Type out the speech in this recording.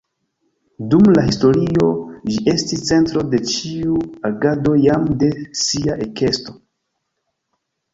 Dum la historio ĝi estis centro de ĉiu agado jam de sia ekesto.